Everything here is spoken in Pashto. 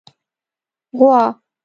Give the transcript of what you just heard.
🐄 غوا